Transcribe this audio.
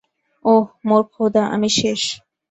ওহ, মোর খোদা, আমি শেষ!